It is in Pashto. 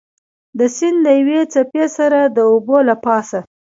د سیند له یوې څپې سره د اوبو له پاسه.